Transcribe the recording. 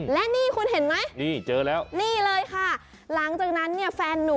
และนี่คุณเห็นมั้ยนี่เลยค่ะหลังจากนั้น